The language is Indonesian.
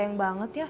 yang hari ini